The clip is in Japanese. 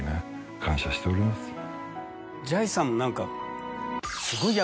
ジャイさんも何か。